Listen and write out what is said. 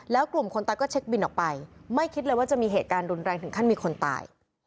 แล้วกลุ่มคนตายก็เช็คบินออกไปไม่คิดเลยว่าจะมีเหตุการณ์รุนแรงถึงขั้นมีคนตาย